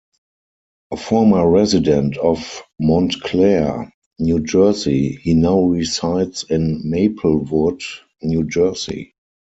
A former resident of Montclair, New Jersey, he now resides in Maplewood, New Jersey.